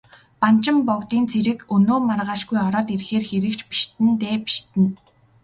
Банчин богдын цэрэг өнөө маргаашгүй ороод ирэхээр хэрэг ч бишиднэ дээ, бишиднэ.